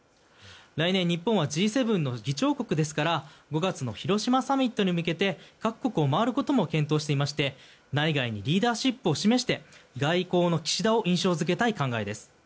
来年、日本はＧ７の議長国ですから５月の広島サミットに向けて各国を回ることも検討していまして内外にリーダーシップを示して、外交の岸田を印象付けたい考えです。